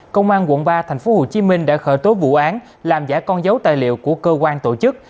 công an quận ba tp hcm đã khởi tố vụ án làm giả con dấu tài liệu của cơ quan tổ chức